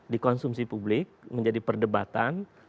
dikonsumsi publik menjadi perdebatan